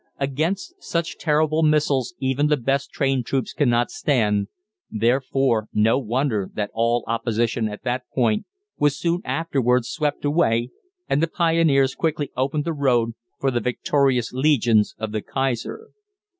Against such terrible missiles even the best trained troops cannot stand, therefore no wonder that all opposition at that point was soon afterwards swept away, and the pioneers quickly opened the road for the victorious legions of the Kaiser.